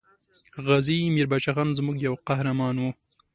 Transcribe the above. غازي میر بچه خان زموږ یو قهرمان وو.